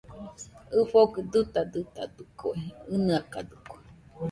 ɨfogɨ dutadutadɨkue, ɨnɨakadɨkue